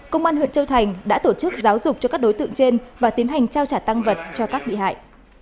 công an huyện châu thành đã tổ chức giáo dục cho các đối tượng trên và tiến hành trao trả tăng vật cho các bị hại